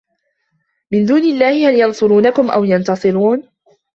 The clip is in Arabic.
مِن دونِ اللَّهِ هَل يَنصُرونَكُم أَو يَنتَصِرونَ